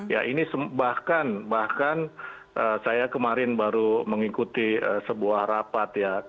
ya ini bahkan bahkan saya kemarin baru mengikuti sebuah rapat ya